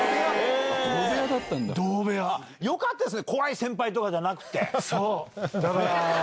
よかったですね！